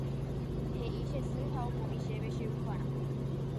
He'i che sy ha omoĩ chéve che ruparã.